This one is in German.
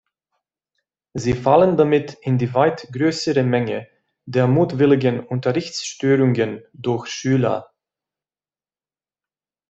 Sie fallen damit in die weit größere Menge der mutwilligen Unterrichts-Störungen durch Schüler.